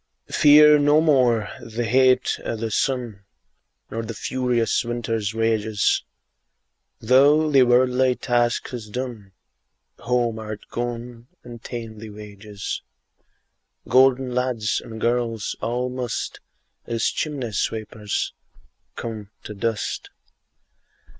2. Fear no more the heat o' the sun, Nor the furious winter's rages; Thou thy worldly task hast done, Home art gone, and ta'en thy wages: Golden lads and girls all must, As chimney sweepers, come to dust.